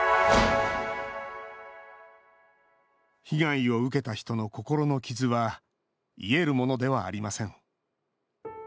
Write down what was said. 被害を受けた人の心の傷は癒えるものではありません。